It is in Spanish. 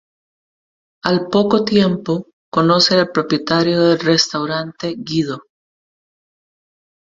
Al poco tiempo, conoce al propietario del restaurante, Guido.